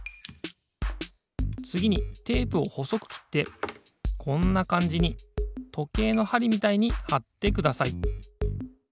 つぎにテープをほそくきってこんなかんじにとけいのはりみたいにはってください。